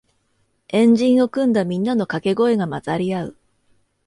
円陣を組んだみんなのかけ声が混ざり合う